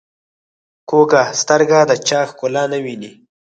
کوږه سترګه د چا ښکلا نه ویني